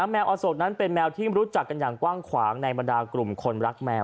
แมวอโศกนั้นเป็นแมวที่รู้จักกันอย่างกว้างขวางในบรรดากลุ่มคนรักแมว